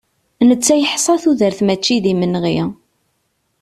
Netta yeḥsa tudert maci d imenɣi.